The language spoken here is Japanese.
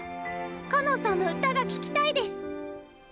かのんさんの歌が聴きたいデス！